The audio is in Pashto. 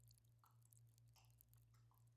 وږمې په کړس، کړس خاندي